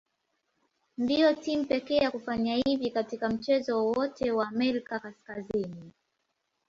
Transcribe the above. Ndio timu pekee ya kufanya hivi katika mchezo wowote wa Amerika Kaskazini.